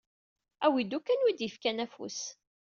Awi-d ukan win i d-yefkan afus.